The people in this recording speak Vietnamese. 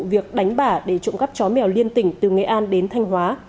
việc đánh bả để trộm cắp chó mèo liên tỉnh từ nghệ an đến thanh hóa